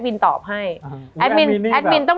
มันทำให้ชีวิตผู้มันไปไม่รอด